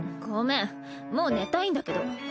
ごめんもう寝たいんだけど。